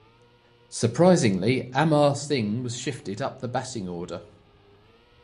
Surprisingly, Amar Singh was shifted up the batting order.